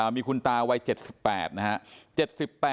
มีคุณตาวัย๗๘นะฮะ